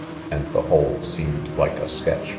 and the whole seemed like a sketch.